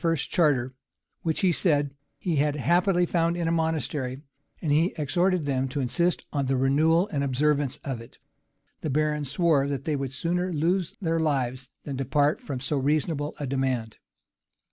's charter, which, he said, he had happily found in a monastery; and he exhorted them to insist on the renewal and observance of it: the barons swore that they would sooner lose their lives than depart from so reasonable a demand.